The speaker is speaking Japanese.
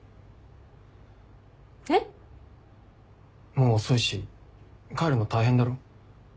もう遅いし帰るの大変だろ？